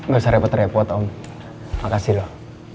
gak usah repot repot om makasih loh